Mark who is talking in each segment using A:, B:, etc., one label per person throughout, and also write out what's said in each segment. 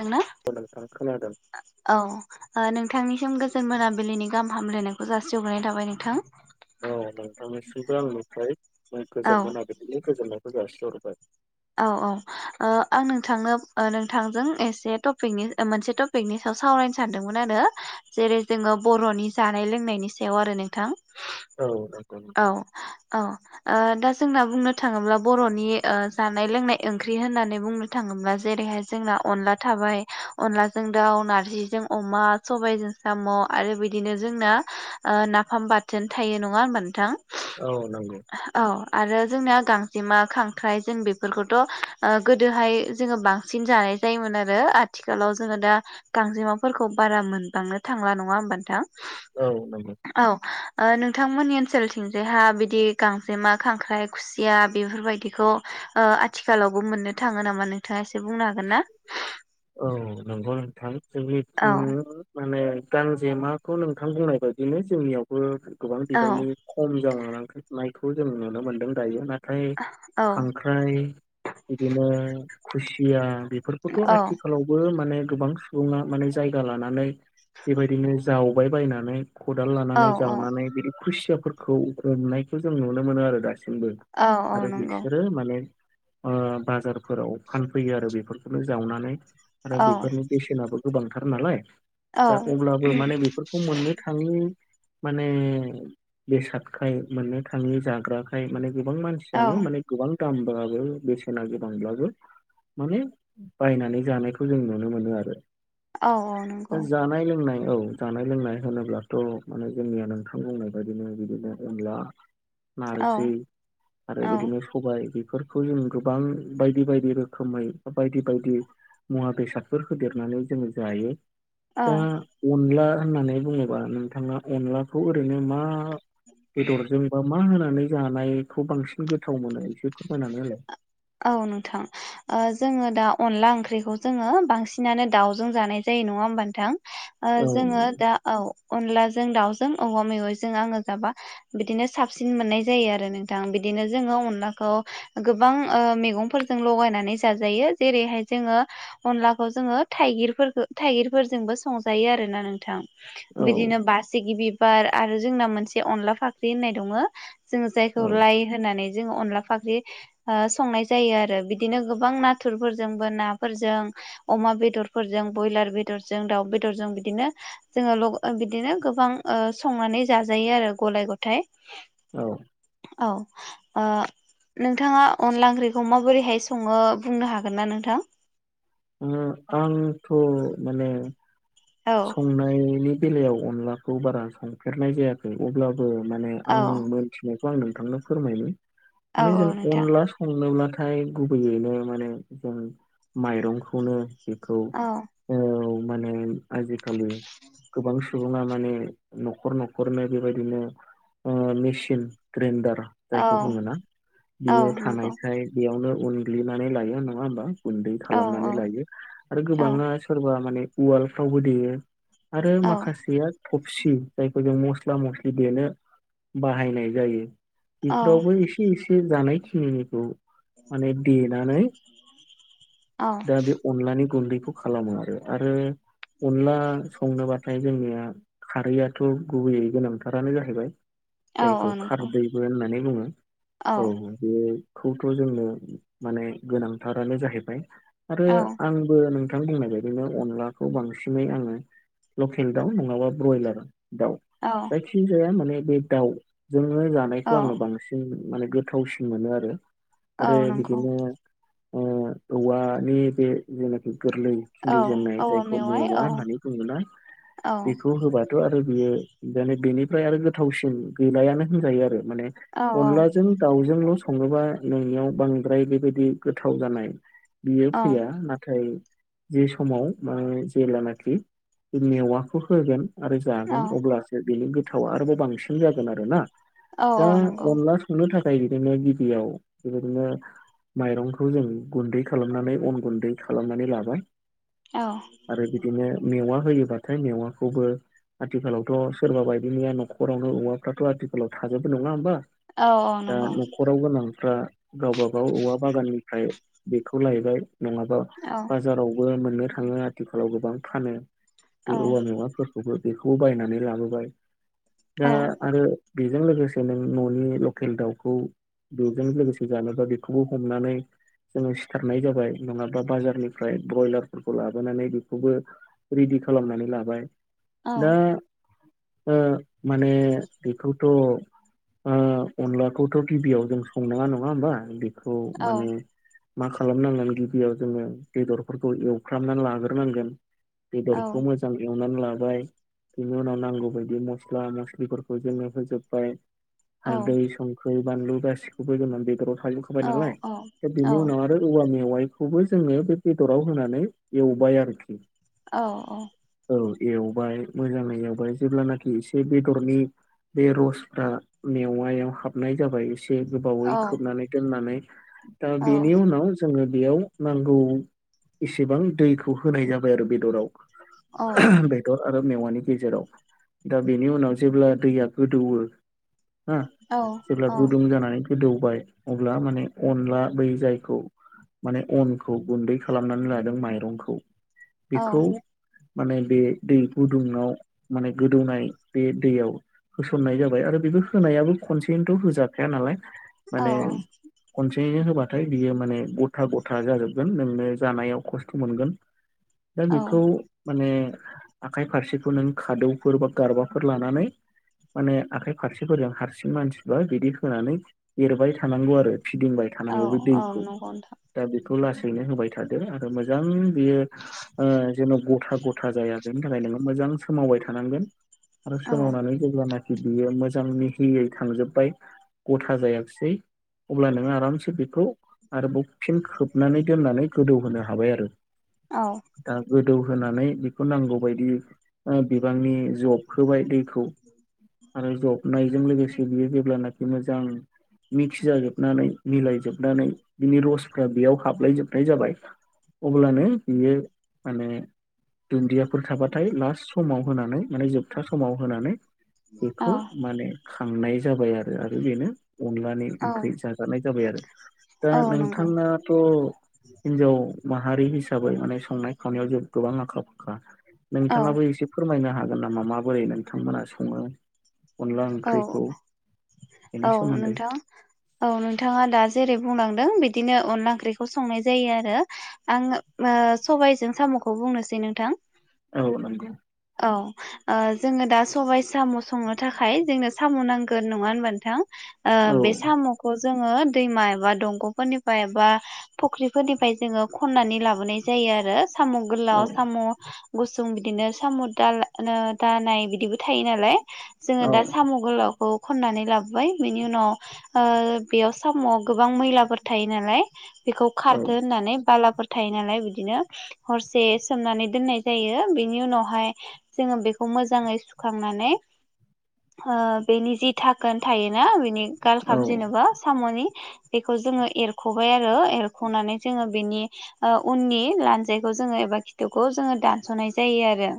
A: दोंना
B: औ नोंथां खोनादों।
A: ओ औ ओ नोंथांनिसिम गोजोन मोनाबिलिनि गाहाम हामलायनायखौ जासि हग्रोनाय थाबाय नोंथां।
B: नोंनिसिमबो आंनिफ्राय
A: औ
B: गोजोन मोनाबिलिनि गोजोननायखौ जासिहरबाय।
A: औ औ ओ आं नोंथांनो नोंथांजों एसे टपिकनि मोनसे ट' पिकनि साव सावरायनो सानदोंमोन आरो। जेरै जोङो बर'नि जानाय लोंनायनि सायाव आरो नोंथां।
B: औ नंगौ
A: औ
B: नोंथां।
A: औ ओ दा जोंना बुंनो थाङोब्ला बर'नि ओ होननाय ओंख्रि होननानै बुंनो थाङोब्ला जेरैहाय जोंना अनला थाबाय अनलाजों दाउ' नारजिजों अमा, सबायजों साम' आरो बिदिनो जोंना नाफाम बाथोन थायो नङा होनबा नों थां?
B: औ नंगौ
A: औ आरो जोंनिया गांजेमा, खांख्राइ जों बेफोरखौथ' ओ गोदोहाय जोङो बांसिन जानाय जायोमोन आरो आथिखालाव जोङो दा गांजेमाफोरखौ बारा मोनबांनो थांला नङा होमबा नोंथां?
B: औ नंगौ
A: औ ओ नोंथांमोननि ओनसोलथिंजायहा बिदि गांजेमा, खांख्राइ खुसिया बेफोरबायदिखौ ओ आथिखालावबो मोननो थाङो नों थाङा एसे बुंनो हागोन ना?
B: औ नंगौ नोंथां‌
A: औ
B: जोनिथिं माने गांजेमाखौ नोंथां बुंनाय बायदिनो जोंनियावबो गोबां
A: औ
B: बिबांनि खम जालांनायखो नायखौ जों नुनो मोन्दों दायो। नाथाय
A: औ
B: खांख्र ख्राइ बिदिनो खुसिया बेफोरखौथ'
A: औ
B: आथि खालावबो माने गोबां सुबुङा माने जायगा लानानै बेबायदिनो जावबाय बायनानै खदाल
A: औ
B: लानानै
A: औ
B: जावनानै बिदि खुसियाफोरखौ हमनायखौ जों नुनो मोनो आरो दासिमबो।
A: औ औ
B: आरो
A: नंगौ
B: बिसोरो माने ओ बाजारफोराव फान फैयो आरो बेफोरखौनो जावनानै आरो
A: औ
B: बेफोरनि बेसेनाबो गोबांथार नालाय।
A: औ
B: दा अब्लाबो माने बेफोरखौ मोननो थाङि माने बेसादखाय मोननो थाङि जाग्राखाय माने गोबां मान
A: औ
B: सियानो माने गोबां दामब्लाबो, बेसेना गोबांब्लाबो माने बायनानै जानायखौ जों नुनो मोनो आरो।
A: औ औ
B: दा
A: नंगौ।
B: जानाय लोंनाय औ जानाय लोंनाय होनोब्लाथ' माने जोंनिया नोंथां बुंनाय बायदिनो बिदिनो अनला
A: औ
B: नारजि आरो
A: औ
B: बिदिनो सबाय बेफोरखौ जों गोबां बायदि बायदि रोखोमै बायदि बायदि मुवा बेसादफोर होदेरनानै जों जायो।
A: औ
B: दा अनला होननानै बुङोबा नोंथाङा अनलाखौ ओरैनो मा बेदरजों बा मा होनानै जानायखौ बांसिन गोथाव मोनो एसे फोरमायनानै होलाय।
A: औ नोंथां। ओ जोङो दा अनला ओंख्रिखौ जोङो बांसिनानो दाउजों जानाय जायो नङा होमबा नोंथां? ओ
B: औ
A: जोङो दा औ अनलाजों दाउजों औवा मेवाइजों आङो जाबा बिदिनो साबसिन मोननाय जायो आरो नोंथां। बिदिनो जोङो अनलाखौ गोबां ओ मैगंफोरजों लगायनानै जाजायो जेरैहाय जोङो अनलाखौ जोङो थाइगिरफोरखौ थाइगिरफोरजोंबो संजायो आरोना नोंथां।
B: औ
A: बिदिनो बासिगि बिबार आरो जोंना मोनसे अनला फाख्रि होननाय दङो। जोङो
B: औ
A: जायखौ लाइ होनानै जोङो अनला फाख ओ संनाय जायो आरो। बिदिनो गोबां नाथुरफोरजोंबो, नाफोरजों अमा बेदरफोरजों, ब्रयलार बेदरजों, दाउ बेदरजों बिदिनो जोङो ल' बिदिनो गोबां ओ संनानै जाजायो आरो गलाय गथाइ।
B: औ।
A: औ ओ नोंथाङा अनला ओंख्रिखौ माबोरैहाय सङो बुंनो हागोन ना नोंथां?
B: ओम आंथ' माने
A: औ
B: संनायनि बेलायाव अनलाखौ बारा संफेरनाय जायाखै। अब्ला बो माने
A: औ
B: आं मोनथिनायखौ आं नोंथांनो फोरमायनि
A: औ
B: माने जों
A: औ नोंथां
B: अनला संनोब्लाथाय गुबैयैनो माने जों माइरंखौनो बेखौ
A: औ
B: औ माने आजिखालि गोबां सुबुङा माने न'खर न'खरनो बेबायदिनो ओ मेचिन ग्रेन्दार
A: औ
B: जायखौ बुङोना,
A: औ
B: बियो
A: नंगौ
B: थानायखाय बेयावनो उनग्लिनानै लायो नङा होमबा? गुन्दै
A: औ
B: खालामनानै लायो आरो
A: औ
B: गोबाङा सोरबा माने उवालफ्रावबो देयो। आरो
A: औ
B: माखासेया थफसि जायखौ जों मस्ला मस्लि देनो बाहायनाय जायो।
A: औ
B: बेफोरावबो एसे एसे जानाय खिनिनिखौ माने देनानै
A: औ
B: दा बे अनलानि गुन्दैखौ खालामो आरो। आरो अनला संनोबाथाय जोंनिया खारैयाथ' गुबैयै गोनांथारानो जाहैबाय।
A: औ
B: जायखौ
A: औ नंगौ
B: खारदैबो होननानै बुङो औ। बेखौथ' जोंनो माने गोनांथारानो जाहैबाय। आरो
A: औ
B: आंबो नोंथां बुंनाय बायदिनो अनलाखौ बांसिन सिनै आङो लकेल दाउ नङाबा ब्रयलार दाउ
A: औ।
B: खि जाया माने बे दाउजोंनो
A: औ
B: जानायखौ आङो बांसिन माने गोथावसिन मोनो आरो।
A: औ
B: आरो
A: नंगौ
B: बिदिनो ओ औवानि बे जेनाखि गोरलै
A: औ
B: खिन्दु जेननाय
A: औवा
B: जायखौ
A: मेवाइ
B: मेवा
A: औ
B: होननानै बुङोना
A: औ
B: बेखौ खौहोबाथ' आरो बियोे बेनिफाय आरो गोथावसिन गैलायानो होनजायो आरो माने।
A: औ
B: अनलाजों दाउजोंल' सङोबा नोंनियाव बांद्राय बेबायदि गोथाव जानाय बियो
A: औ
B: फैया नाथाय जि समाव जेेलानाखि बे मेवाखौ होगोन आरो
A: औ
B: जागोन अब्ला सो बेनि गोथावा आरोबाव बांसिन जागोन आरोना
A: औ
B: दा
A: औ नंगौ
B: अनला संनो थाखाय बिदिनो गिबियाव बेबायदिनो माइरंखौ जों गुन्दै खालामनानै अन गुन्दै खालामनानै लाबाय।
A: औ।
B: आरो बिदिनो मेवा होयोबाथाय मेवाखौबो आथिखालावथ' सोरबा बायदिनिया नख'रावनो औवाफ्राथ' आथिखालाव थाजोबो नङा होमबा।
A: औ औ
B: दा
A: नंगौ
B: न ख'राव गोनांफ्रा गावबागाव औवा बागाननिफ्राय बेखौ लायबाय नङाबा
A: औ
B: बाजारावबो मोननो थाङो आथिखालाव गोबां फानो
A: औ
B: बे औवा मेवाफोर खौबो बेखौ बायनानै लाबोबाय दा
A: औ
B: आरो बेजों लोगोसे नों न'नि लकेल दाउखौ बेजों लोगोसे जानोबा बे खौ हमनानै जों सिथारनाय जाबाय नङाबा बाजारनिफ्राय बयलारफोरखौ ला- बोनानै बेखौबो रेडि खालामनानै लाबाय
A: औ
B: दा ओ माने बेखौथ' ओ अनलाखौथ' गिबिआव जों संनाङा नङा होमबा। बेखौ
A: औ
B: माने मा खालामनांगोन गिबियाव जोङो बेदरफोरखौ एव फ्रामना लागोरनांगोन बेदरखौ मो जां एवनानै लाबाय बिनि उनाव नांगौ बायदि मस्ला मस्लिफोरखौ जोङो होजोबबाय। हालदै संख्रि बानलु गासिखौबो जोंना बेदराव थाजोब खाबाय नालाय बिनि उनाव आरो औवा मेवाइखौबो जोङो बे बेदराव होनानै एवबाय आरोखि।
A: औ औ।
B: औ एवबाय मोजाङै एवबाय जेब्लानाखि एसे बेदरनि बे रसफ्रा मेवायाव हाबनाय जाबाय एसे गोबावै खोबनानै दोननानै दा
A: औ
B: बेनि उनाव जोङो बेयाव नांगौ एसेबां दैखौ होनाय जाबाय आरो बेदराव। बे दर आरो मेवानि गेजेराव दा बेनि उनाव जेब्ला दैया गोदौवो जेब्ला गुदुं
A: औ
B: जानानै गोदौबाय अब्ला माने अनला बै जायखौ माने अनखौ गुन्दै खालामनानै लादों माइरंखौ बेखौ माने बे दै गुदुंआव माने गोदौनाय बे दैयाव होसननाय जाबाय आरो बेबो होनायाबो खनसेयैनोथ होजाखाया नालाय माने खनसेयैनो होबाथाय बियो माने गथा गथा जाजोबगोन नोंनो जानायाव खस्थ' मोनगोन दा बेखौ
A: औ
B: माने आखाइ फारसेखौ नों खादौफोर बा गारबाफोर लानानै माने आखाइ फारसेफोरजों हारसिं मानसिब्ला बिदि होनानै एरबाय थानांगौ आरो फिदिंबाय
A: औ
B: थानांगौ बे दैखौ
A: नंगौ नोंथां
B: दा बेखौ लासैनो होबाय थाद आरो बियो जेन' गथा गथा जाया बेनि थाखाय नोङो मोजां सोमावबाय थानांगोन आरो
A: औ
B: सोमावनानै जेब्लानोखि बियो मोजां मिहियै थांजोबबाय गथा जायाखसै अब्ला नोङो आरामसे बेखौ आरोबाव फिन खोबनानै दोननानै गोदौहोनो हाबाय आरो ओ
A: औ
B: दा गोदौ होनानै बेखौ नांगौ बायदि बिबांनि जबखोबाय दैखौ आरो जबनाय जों लोगोसे बियो जेब्लानाखि मोजां मिक्स जाजोबनानै मिलाय जोबनानै बिनि रसफ्रा बेयाव हाबलायजोबनाय जाबाय अब्लानो बियो माने दुन्दियाफोर थाबाथाय लास्ट समाव होनानै माने जोबथा समाव होनानै
A: औ
B: बेखौ माने खांनाय जाबाय आरो आरो बेनो अनलानि
A: औ
B: ओंख्रि जाग नाय जाबाय आरो दा
A: औ नंगौ
B: नोंथाङाथ' हिनजाव माहारि हिसाबै माने संनाय खावनायाव जों गोबां आखा फाखा
A: औ
B: नोंथाङाबो एसे फोरमायनो हागोन नामा माबोरै नोंथांमोना सङो अनला
A: औ
B: ओंख्रिखौ बेनि
A: औ
B: सोमोन्दै
A: नोंथां औ नोंथाङा दा जेरै बुंलांदों बिदिनो अनला ओंख्रिखौ संनाय जायो आरो आं सबायजों सामुखौ बुंनोसै नोंथां
B: औ नं
A: औ जोङो दा सबाय साम' संनो थाखाय गाय जोंनो सामु नांगोन नङा होनबा नोंथां
B: औ
A: बे सामु खौ जोङो दैमा एबा दंग'फोरनिफ्राय एबा फुख्रिफोरनिफ्राय जोङो खन्नानै लाबोनाय जायो आरो सामु'
B: औ
A: गोलाव सामु' गुसुं बिदिनो साम' दा दानाय बिदिबो थायो नालाय जोङो
B: औ
A: दा साम' गोलावखौ खननानै लाबोबाय बिनि उनाव ओ बेयाव साम'आव गोबां मैलाफोर थायो नालाय बेखौ
B: औ
A: खारथो होननानै बालाफोर थायो नालाय बिदिनो हरसे सोमनानै दोननाय जायो बेनि उनावहाय जोङो बेखौ मोजाङै सुखांनानै ओ बेनि जि धाकोन थायोना बेनि
B: औ
A: गालगाब जेनिबा सामु'नि बिखौ जोङो एरख'बाय आरो एरख'नानै जोङो बेनि उननि लानजायखौ जोङो एबा खिथुखौ जोङो दानस'नाय जायो आरो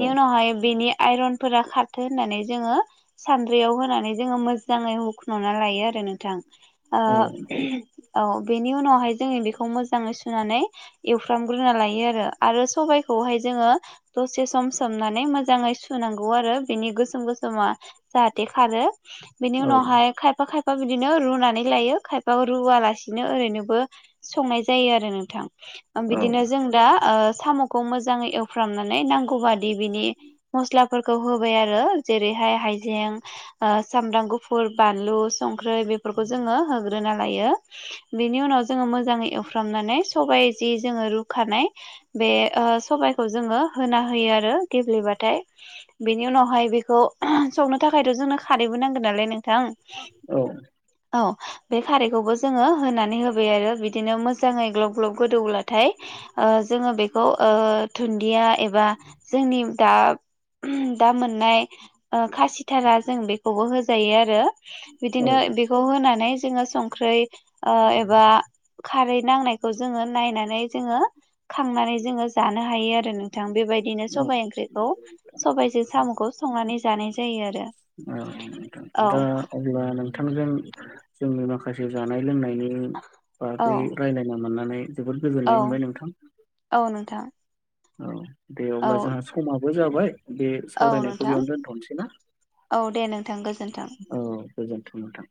B: औ
A: उनावहाय बेनि आइरनफोरा खा होननानै जोङो सानद्रियाव होनानै जोङो मोजाङै हुख्न'ना लायो आरो नोंथां ओ
B: औ
A: औ बेनि उनावहाय जोङो बेखौ मोजाङै सुनानै एवफ्रामग्रोना लायो आरो आरो सबायाइखौहाय जोङो दसे सम सोमनानै मोजाङै सुनांगौ आरो बेनि गोसोम गोसोमा जाहाथे खारो बेनि उनावहाय खायफा खायफा खायफा बिदिनो रुनानै लायो खायफा रुवलासिनो ओरैनोबो संनाय जायो आरो नोंथां बिदिनो जों दा ओ सामु'खौ मोजाङै एवफ्रामनानै नांगौ बादि बिनि मस्लाफोरखौ हो होबाइ आरो जेरैहाय हायजें ओ सामब्राम गुफुर बानलु संख्रै बेफोरखौ जोङो होग्रोना लायो बेनि उनाव जोङो मोजाङै एउफ्रामनानै सबाइ जि जोङो रूखानाइ बे ओ सबाइखौ जोङो होना होयो आरो गेब्लेबाथाय बेनि उनावहाय बेखौ संनो थाखायथ' जोंनो खारैबो नांगोन नालाय नोंथां
B: औ
A: औ बे खारैखौबो जोङो होनानै होबाय आरो बेदिनो मोजाङै ग्लब ग्लब गोदौब्लाथाय जोङो बेखौ ओ धुन्दिया एबा जोंनि दा दा मोननाय ओ खासिथारा जों बेखौबो होजायो आरो बिदिनो
B: औ
A: बेखौ होनानै जोङो संख्रै ओ एबा खारै नांनायखौ जोङो नायनानै जोङो खांनानै जोङो जानो हायो आरो थां बेबायदिनो
B: औ
A: सबाइ ओंख्रिखौ सबाइजों साम'खौ संनानै जानाय जायो आरो
B: अह
A: औ
B: दा अब्ला नोंथांजों जोंनि माखासे जानाय लोंनायनि
A: औ
B: बागै रायज्लायनो मोननानै जोबोद
A: औ
B: गोजोननाय मोनबाय नोंथां
A: औ नोंथां
B: औ दे अब्ला
A: औ
B: जोंहा समाबो जाबाय बे
A: औ
B: सावरायनायखौ
A: नोंथां
B: बेयावनो दोनथ'नोसै ना
A: औ दे नोंथां गोजोन्थों।
B: औ गोजोनथों नोंथां